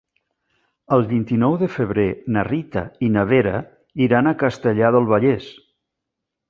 El vint-i-nou de febrer na Rita i na Vera iran a Castellar del Vallès.